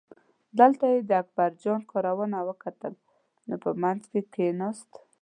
دلته یې د اکبرجان کارونه وکتل نو په منځ کې کیناست.